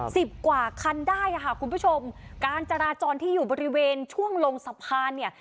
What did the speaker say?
สิบกว่าคันได้อ่ะค่ะคุณผู้ชมการจราจรที่อยู่บริเวณช่วงลงสะพานเนี่ย